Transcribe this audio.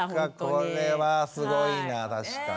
これはすごいな確かに。